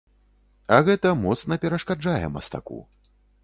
А гэта моцна перашкаджае мастаку.